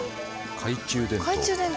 懐中電灯。